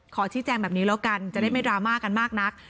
ขอชี้แจงแบบนี้แล้วกันจะได้ไม่ดราม่ากันมากนัก